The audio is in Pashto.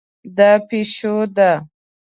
دا پیشو ده